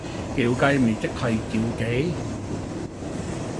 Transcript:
叫雞咪即係召妓